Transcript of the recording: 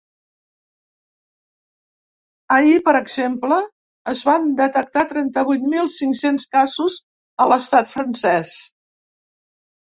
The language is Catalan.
Ahir, per exemple, es van detectar trenta-vuit mil cinc-cents casos a l’estat francès.